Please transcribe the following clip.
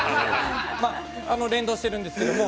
◆連動してるんですけれども。